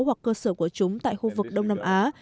và các sở của chúng tại khu vực đông nam á